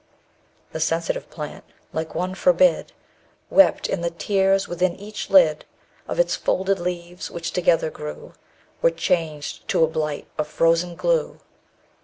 The Sensitive Plant, like one forbid, Wept, and the tears within each lid Of its folded leaves, which together grew, _80 Were changed to a blight of frozen glue.